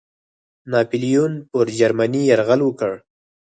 ناپلیون پر جرمني یرغل وکړ.